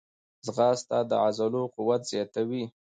ځغاسته د عضلو قوت زیاتوي